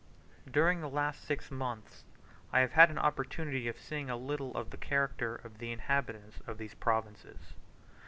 During the last six months I have had an opportunity of seeing a little of the character of the inhabitants of these provinces.